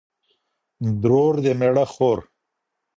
اندرور د مېړه خور